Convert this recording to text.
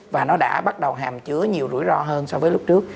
và nó đã bắt đầu hàm chứa nhiều rủi ro hơn so với lúc trước